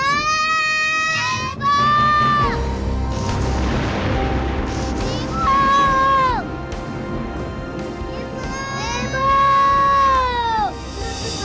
dia suami mereka berdua